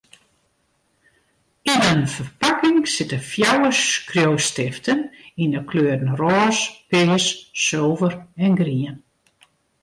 Yn in ferpakking sitte fjouwer skriuwstiften yn 'e kleuren rôs, pears, sulver en grien.